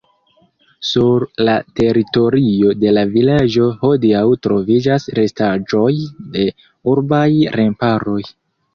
Sur la teritorio de la vilaĝo hodiaŭ troviĝas restaĵoj de urbaj remparoj.